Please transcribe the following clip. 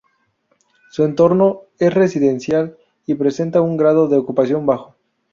Su entorno es residencial y presenta un grado de ocupación bajo.